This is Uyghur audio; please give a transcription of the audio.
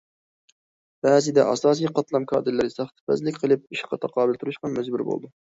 بەزىدە ئاساسىي قاتلام كادىرلىرى ساختىپەزلىك قىلىپ، ئىشقا تاقابىل تۇرۇشقا مەجبۇر بولىدۇ.